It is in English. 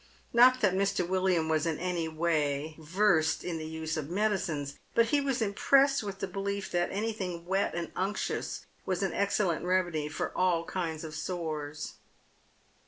Not that Mr. "William was in any way versed in the use of medicines, but he was impressed with the belief that anything wet and unctuous was an excellent remedy for all kinds of sores.